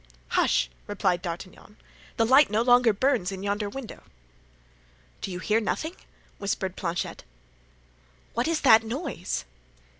"Hush!" replied D'Artagnan; "the light no longer burns in yonder window." "Do you hear nothing?" whispered Planchet. "What is that noise?"